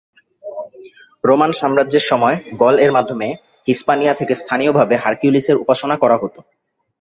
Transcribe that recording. Roman সাম্রাজ্যের সময়, Gaul এর মাধ্যমে হিস্পানিয়া থেকে স্থানীয়ভাবে হারকিউলিসের উপাসনা করা হত।